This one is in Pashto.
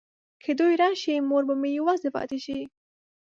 که دوی راشي مور به مې یوازې پاته شي.